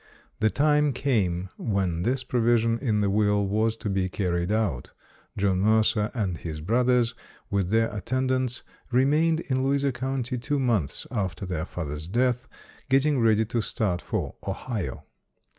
The time came when this provision in the will was to be carried out. John Mercer and his broth ers, with their attendants, remained in Louisa County two months after their father's death, get ting ready to start for Ohio.